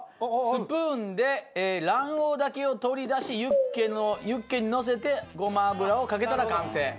スプーンで卵黄だけを取り出しユッケのユッケにのせてごま油をかけたら完成。